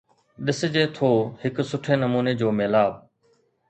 ڏسجي ٿو هڪ سٺي نموني جو ميلاپ